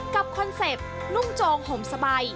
คอนเซ็ปต์นุ่มโจงห่มสบาย